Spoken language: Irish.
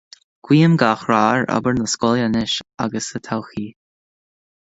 Guím gach rath ar obair na scoile anois agus sa todhchaí.